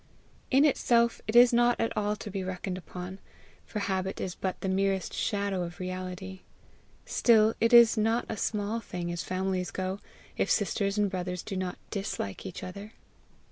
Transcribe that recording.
In itself it is not at all to be reckoned upon, for habit is but the merest shadow of reality. Still it is not a small thing, as families go, if sisters and brothers do not dislike each other.